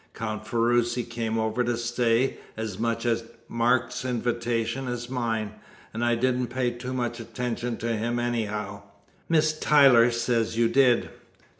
Count Ferruci came over to stay, as much at Mark's invitation as mine, and I didn't pay too much attention to him anyhow." "Miss Tyler says you did!"